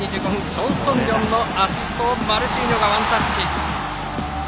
チョン・ソンリョンのアシストをマルシーニョがワンタッチ。